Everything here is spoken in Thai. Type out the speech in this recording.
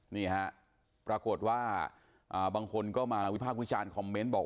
นี่ฮะปรากฏว่าบางคนก็มาวิพากษ์วิจารณ์คอมเมนต์บอก